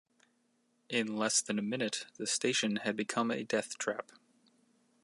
In less than a minute, the station had become a death trap.